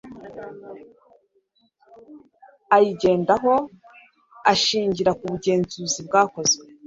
ayigendaho ashingira ku bugenzuzi bwakozwe